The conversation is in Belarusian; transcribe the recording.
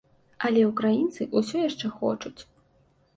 Але ўкраінцы ўсё яшчэ хочуць.